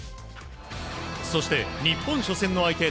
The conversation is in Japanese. そして日本初戦の相手